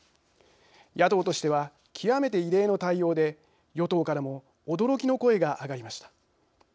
野党としては極めて異例の対応で与党からも驚きの声があがりました。